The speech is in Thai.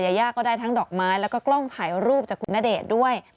ยายาก็ได้ทั้งดอกไม้แล้วก็กล้องถ่ายรูปจากคุณณเดชน์ด้วย